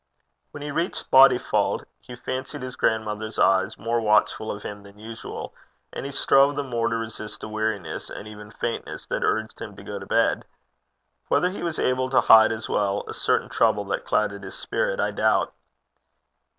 When he reached Bodyfauld he fancied his grandmother's eyes more watchful of him than usual, and he strove the more to resist the weariness, and even faintness, that urged him to go to bed. Whether he was able to hide as well a certain trouble that clouded his spirit I doubt.